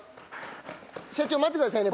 社長待ってくださいね。